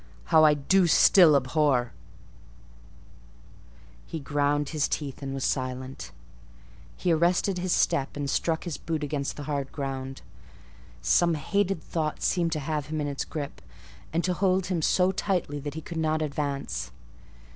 How I do still abhor—" He ground his teeth and was silent: he arrested his step and struck his boot against the hard ground. Some hated thought seemed to have him in its grip, and to hold him so tightly that he could not advance.